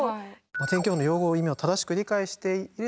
天気予報の用語の意味を正しく理解していればですね